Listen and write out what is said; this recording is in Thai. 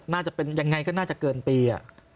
น่าจะเป็นยังไงก็น่าจะเกินปี